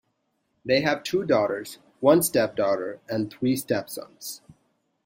They have two daughters, one stepdaughter, and three stepsons.